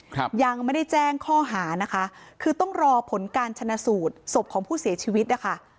ครับยังไม่ได้แจ้งข้อหานะคะคือต้องรอผลการชนะสูตรศพของผู้เสียชีวิตนะคะ